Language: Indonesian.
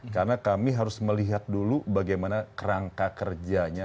karena kami harus melihat dulu bagaimana kerangka kerjanya